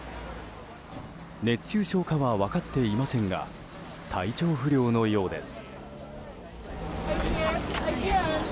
熱中症かは分かっていませんが体調不良のようです。